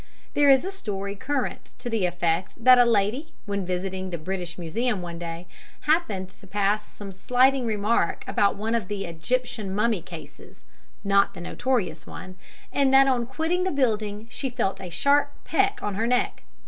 There is a story current to the effect that a lady, when visiting the British Museum one day, happened to pass some slighting remark about one of the Egyptian mummy cases (not the notorious one), and that on quitting the building she felt a sharp peck on her neck.